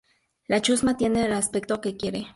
La Chusma tiene el aspecto que quiere.